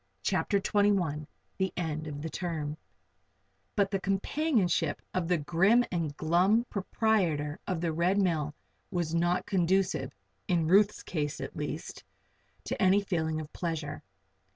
CHAPTER XXI THE END OF THE TERM But the companionship of the grim and glum proprietor of the Red Mill was not conducive in Ruth's case, at least to any feeling of pleasure.